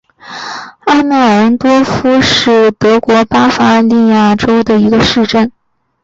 阿梅尔恩多尔夫是德国巴伐利亚州的一个市镇。